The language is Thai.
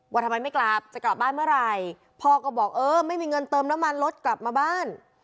ว่าทำไมไม่กลับจะกลับบ้านเมื่อไหร่พ่อก็บอกเออไม่มีเงินเติมน้ำมันรถกลับมาบ้าน